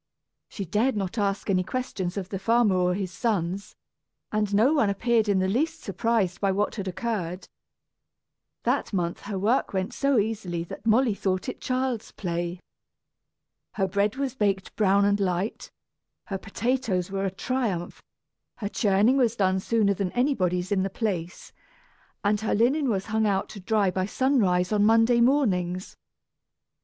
She dared not ask any questions of the farmer or his sons, and no one appeared in the least surprised by what had occurred. That month her work went so easily that Molly thought it child's play. Her bread was baked brown and light, her potatoes were a triumph, her churning was done sooner than anybody's in the place, and her linen was hung out to dry by sunrise on Monday mornings.